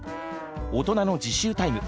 大人の自習タイム